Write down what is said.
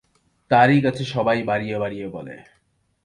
তারই কাছে সবাই বাড়িয়ে বাড়িয়ে বলে।